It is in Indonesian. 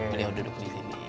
beliau duduk di sini